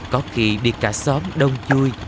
có khi đi cả xóm đông chui